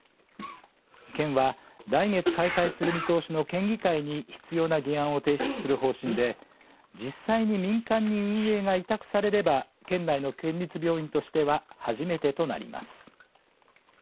県は、来月開会する見通しの県議会に必要な議案を提出する方針で実際に民間に運営が委託されれば県内の県立病院としては初めてとなります。